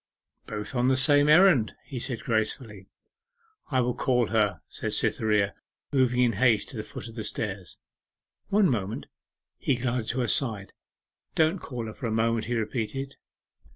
'Both on the same errand,' he said gracefully. 'I will call her,' said Cytherea, moving in haste to the foot of the stairs. 'One moment.' He glided to her side. 'Don't call her for a moment,' he repeated.